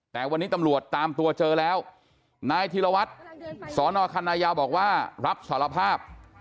แต่วันนี้ตำรวจตามตัวเจอแล้วนายธีรวัตรสอนอคันนายาวบอกว่ารับสารภาพ